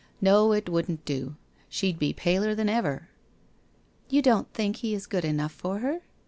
No, it wouldn't do, she'd be paler than ever.' 1 You don't think he is good enough for her?